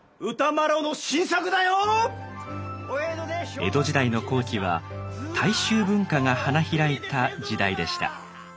江戸時代の後期は「大衆文化」が花開いた時代でした。